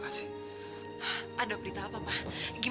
gini kepala dingin